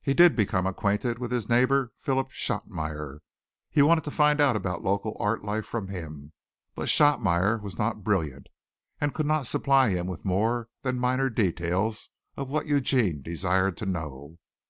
He did become acquainted with his neighbor, Philip Shotmeyer. He wanted to find out about local art life from him, but Shotmeyer was not brilliant, and could not supply him with more than minor details of what Eugene desired to know.